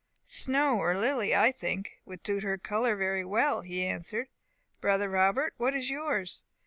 "Snow or Lily, I think, would suit her colour very well," he answered. "Brother Robert, what is yours?"